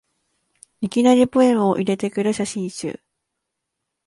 いきなりポエムを入れてくる写真集